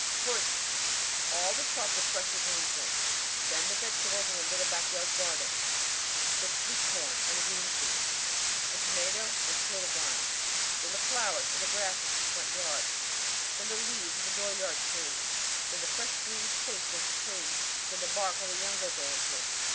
"First all the softer fresher green things. The vegetables in the little backyard gardens; the sweet corn and green peas and tomato and potato vines. Then the flowers and the grasses of the front yards. Then the leaves of the dooryard trees. Then the fresh green twigs of the trees! Then the bark on the younger branches!!